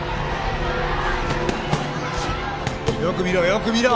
よく見ろ